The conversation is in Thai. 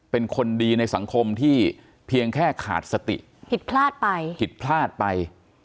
เป็นคนดีในสังคมที่เพียงแค่ขาดสติผิดพลาดไปผิดพลาดไป